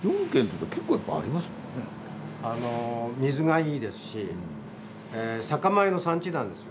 水がいいですし酒米の産地なんですよ。